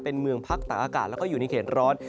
เป็นเมืองพักต่างอากาศแล้วก็อยู่ในเขตร้อน